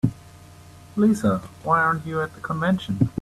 Lisa, why aren't you at the convention?